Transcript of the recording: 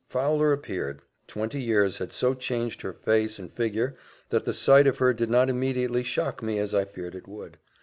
Fowler appeared twenty years had so changed her face and figure, that the sight of her did not immediately shock me as I feared it would.